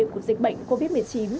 của dịch bệnh covid một mươi chín